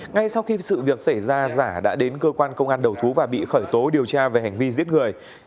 ngay sau khi sự việc xảy ra giả đã đến cơ quan công an đầu thú và bị khởi tố điều tra về hành vi giết người